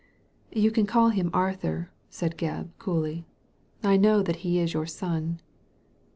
"You can call him Arthur," said Gebb, coolly. " I know that he is your son."